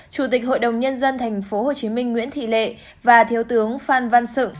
chủ tịch hội đồng nhân dân tp hcm nguyễn thị lệ và thiếu tướng phan văn sự